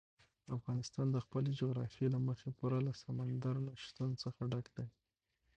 افغانستان د خپلې جغرافیې له مخې پوره له سمندر نه شتون څخه ډک دی.